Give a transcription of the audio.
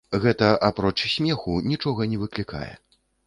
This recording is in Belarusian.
Гэта апроч смеху нічога не выклікае.